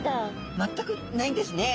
全くないんですね。